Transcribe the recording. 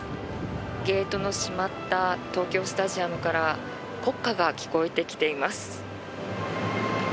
ゲートの閉まった東京スタジアムから国歌が聞こえてきています。